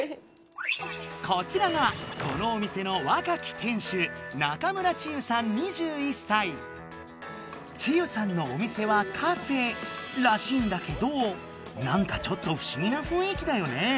こちらがこのお店の若き店主ちゆさんのお店はカフェらしいんだけどなんかちょっとふしぎなふんい気だよね。